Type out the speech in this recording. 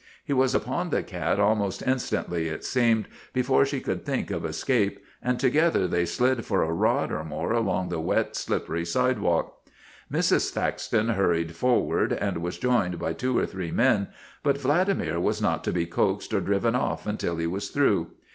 He was upon the cat almost instantly it seemed, be fore she could think of escape, and together they slid for a rod or more along the wet, slippery side walk. Mrs. Thaxton hurried forward, and was joined by two or three men, but Vladimir was not to be coaxed or driven off until he was through.